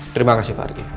terima kasih pak riki